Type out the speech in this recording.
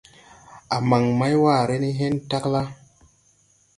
A man maywaare de hen tagla.